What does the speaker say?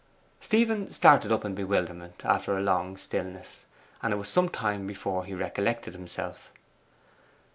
Stephen started up in bewilderment after a long stillness, and it was some time before he recollected himself.